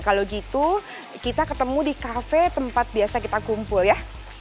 kalau gitu kita ketemu di kafe tempat biasa kita kumpul ya